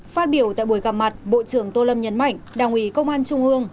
phát biểu tại buổi gặp mặt bộ trưởng tô lâm nhấn mạnh đảng ủy công an trung ương